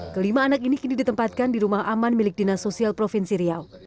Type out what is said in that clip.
kelima anak ini kini ditempatkan di rumah aman milik dinas sosial provinsi riau